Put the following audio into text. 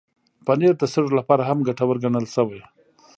پنېر د سږو لپاره هم ګټور ګڼل شوی.